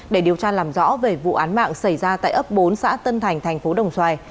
điều tra làm rõ về vụ án mạng xảy ra tại ấp bốn xã tân thành tp đồng xoài